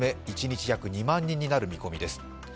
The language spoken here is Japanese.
一日約２万人になる見込みです。